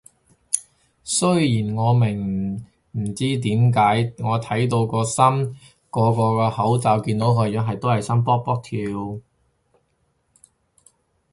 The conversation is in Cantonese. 雖然我明點解驚，我睇到個個冇口罩見晒樣都心肝卜卜跳